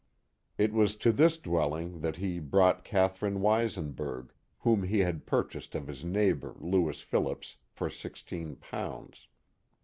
It was to this dwelling that he brought Catherine Weisenberg, whom he had purchased of his neighbor, Lewis Phillips, for sixteen pounds.